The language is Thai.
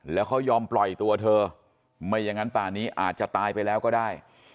แล้วเขายอมปล่อยตัวเธอไม่อย่างนั้นป่านี้อาจจะตายไปแล้วก็ได้